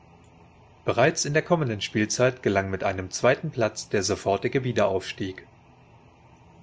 Bereits in der kommenden Spielzeit gelang mit einem zweiten Platz der sofortige Wiederaufstieg.